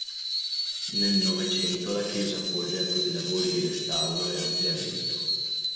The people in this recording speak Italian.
Nel Novecento la chiesa fu oggetto di lavori di restauro e ampliamento.